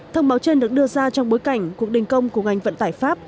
thông báo trên được đưa ra trong bối cảnh cuộc đình công của ngành vận tải pháp